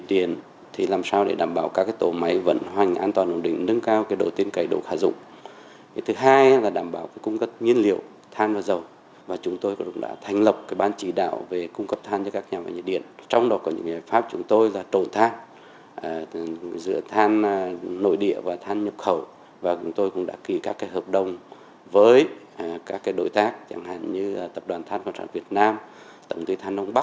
tổng cộng đồng với các đối tác chẳng hạn như tập đoàn than công trọng việt nam tổng tư than đông bắc và nhập khẩu than từ các đối tác nước ngoài